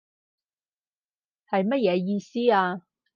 係乜嘢意思啊？